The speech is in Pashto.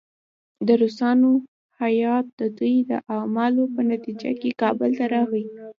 د روسانو هیات د دوی د اعمالو په نتیجه کې کابل ته راغی.